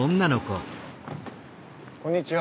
こんにちは。